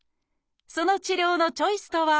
その治療のチョイスとは？